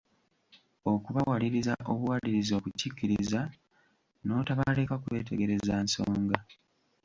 Okubawaliriza obuwaliriza okukikkiriza, n'otobaleka kwetegereza nsonga.